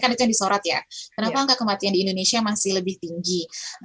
kan itu yang disorot ya kenapa angka kematian di indonesia masih lebih tinggi